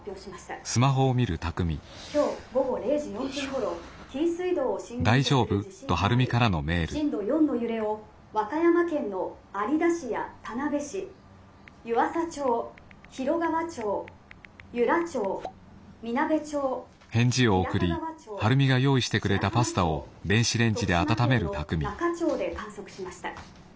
「今日午後０時４分ごろ紀伊水道を震源とする地震があり震度４の揺れを和歌山県の有田市や田辺市湯浅町広川町由良町南部町日高川町白浜町徳島県の那賀町で観測しました。